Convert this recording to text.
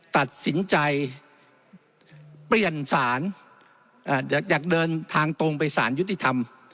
ตัดสินใจเปลี่ยนสารอยากเดินทางตรงไปสารยุติธรรม